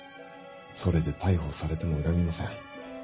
それで逮捕されても恨みません。